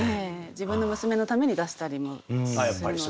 自分の娘のために出したりもするので。